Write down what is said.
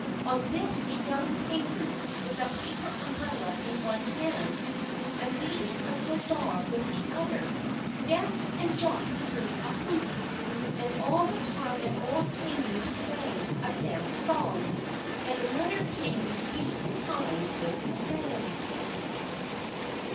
On this a young Tengu, with a paper umbrella in one hand, and leading a little dog with the other, danced and jumped through a hoop. And all the time an old Tengu sang a dance song, and another Tengu beat time with a fan.